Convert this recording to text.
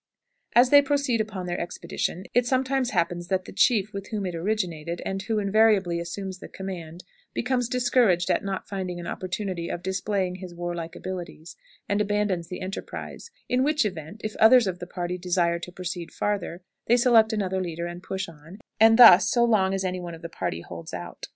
As they proceed upon their expedition, it sometimes happens that the chief with whom it originated, and who invariably assumes the command, becomes discouraged at not finding an opportunity of displaying his warlike abilities, and abandons the enterprise; in which event, if others of the party desire to proceed farther, they select another leader and push on, and thus so long as any one of the party holds out.